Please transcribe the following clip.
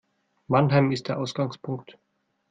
Mannheim ist der Ausgangpunkt